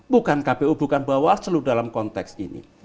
bukan kpu bukan bawah seluruh dalam konteks ini